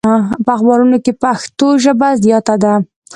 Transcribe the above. په اخبارونو کې پښتو ژبه زیاته شوه.